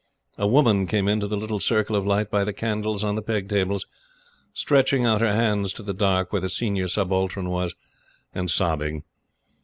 A woman came into the little circle of light by the candles on the peg tables, stretching out her hands to the dark where the Senior Subaltern was, and sobbing.